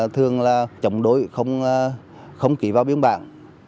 thường chống đối không kỹ vào biến bản